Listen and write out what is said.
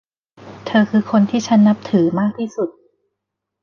เธอคือคนที่ฉันนับถือมากที่สุด